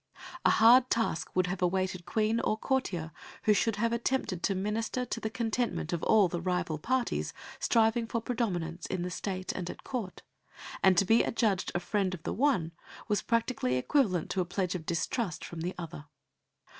A hard task would have awaited Queen or courtier who should have attempted to minister to the contentment of all the rival parties striving for predominance in the State and at Court, and to be adjudged the friend of the one was practically equivalent to a pledge of distrust from the other.